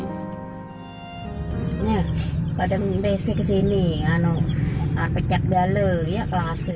kadang kadang besi ke sini pecak dali ya pelas